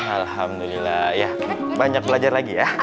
alhamdulillah ya banyak belajar lagi ya